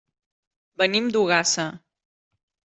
Venim d'Ogassa.